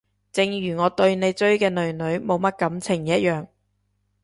正如我對你追嘅囡囡冇乜感情一樣